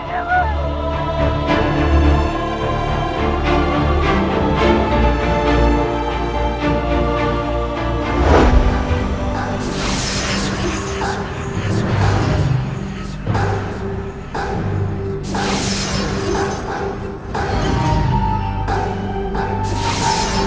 ya allah kak kandia bangun